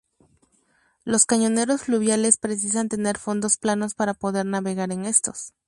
Los cañoneros fluviales precisan tener fondos planos para poder navegar en estos.